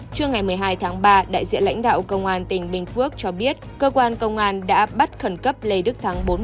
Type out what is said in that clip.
trưa ngày một mươi hai tháng ba đại diện lãnh đạo công an tỉnh bình phước cho biết cơ quan công an đã bắt khẩn cấp lê đức thắng